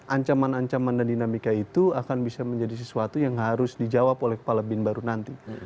ancaman ancaman dan dinamika itu akan bisa menjadi sesuatu yang harus dijawab oleh kepala bin baru nanti